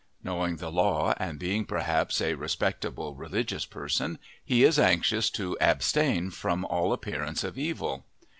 Knowing the law, and being perhaps a respectable, religious person, he is anxious to abstain from all appearance of evil.